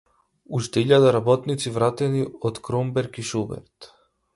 Уште илјада работници вратени во „Кромберг и Шуберт“